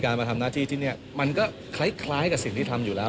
มาทำหน้าที่ที่นี่มันก็คล้ายกับสิ่งที่ทำอยู่แล้ว